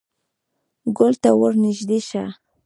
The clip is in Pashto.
_ګول ته ور نږدې شه.